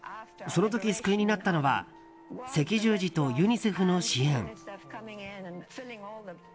その時、救いになったのは赤十字とユニセフの支援。